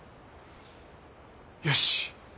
よし。